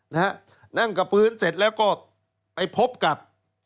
นะฮะนั่งกับพื้นเสร็จแล้วก็ไปพบกับ